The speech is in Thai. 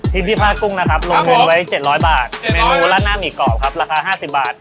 พี่พี้พาชกุ้งนะครับไว้๗๐๐บาทเมนูราดหน้าหมี่กรอบราคา๕๐บาท